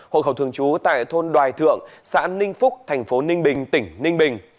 hộ khẩu thường trú tại thôn đoài thượng xã ninh phúc tp ninh bình tỉnh ninh bình